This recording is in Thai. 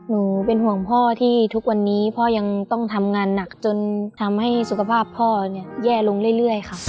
หนูเป็นห่วงพ่อที่ทุกวันนี้พ่อยังต้องทำงานหนักจนทำให้สุขภาพพ่อเนี่ยแย่ลงเรื่อยค่ะ